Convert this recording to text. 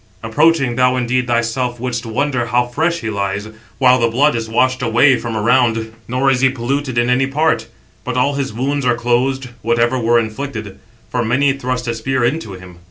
Approaching, thou indeed thyself wouldst wonder how fresh 790 he lies, while the blood is washed away from around, nor [is he] polluted in any part. But all his wounds are closed, whatever were inflicted; for many thrust a spear into him.